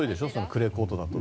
クレーコートだと。